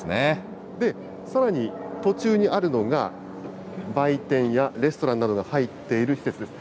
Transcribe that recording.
さらに途中にあるのが、売店やレストランなどが入っている施設です。